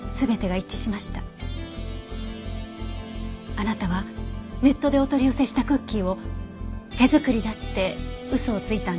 あなたはネットでお取り寄せしたクッキーを手作りだって嘘をついたんですね。